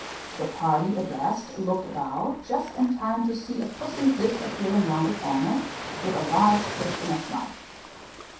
The party addressed looked about, just in time to see a pussy disappearing round a corner, with a large fish in its mouth.